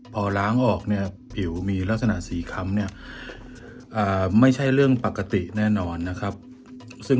พอล้างออกผิวมีลักษณะสีคัมไม่ใช่เรื่องปกติแน่นอน